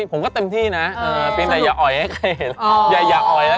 ผมก็เต็มที่นะแต่ต้องอย่าไอยมาอย่าไย